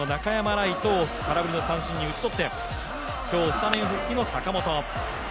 礼都を空振りの三振に打ち取って今日スタメン復帰の坂本。